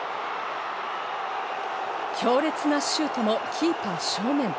強烈なシュートもキーパー正面。